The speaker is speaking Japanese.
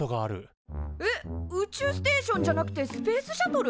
えっ宇宙ステーションじゃなくてスペースシャトル？